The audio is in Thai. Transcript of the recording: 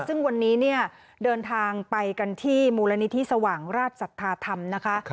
ซึ่งวันนี้เนี่ยเดินทางไปกันที่มูลนิธิสว่างราชสัทธาธรรมนะคะ